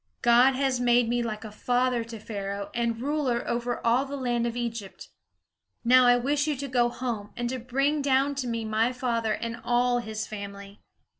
God has made me like a father to Pharaoh and ruler over all the land of Egypt. Now I wish you to go home, and to bring down to me my father and all his family."